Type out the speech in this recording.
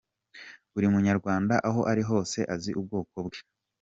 Buri munyarwanda aho ari hose azi ubwoko bwe.